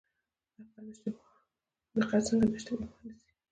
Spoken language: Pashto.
دقت څنګه د اشتباه مخه نیسي؟